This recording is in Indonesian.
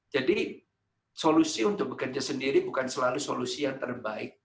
jadi solusi untuk bekerja sendiri bukan selalu solusi yang terbaik